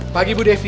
pagi bu devi